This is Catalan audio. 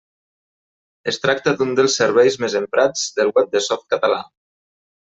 Es tracta d'un dels serveis més emprats del web de Softcatalà.